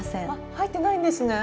入ってないんですね。